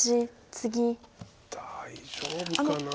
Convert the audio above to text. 大丈夫かな。